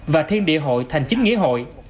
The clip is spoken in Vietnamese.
và thiên địa hội thành chính nghĩa hội